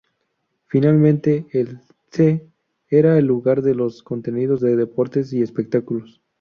Finalmente, el ‘C’ era el lugar de los contenidos de deportes y espectáculos.